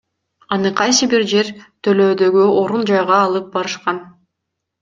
Аны кайсы бир жер төлөөдөгү орун жайга алып барышкан.